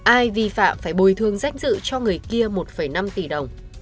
ai vi phạm phải bồi thương danh dự cho người kia một năm tỷ đồng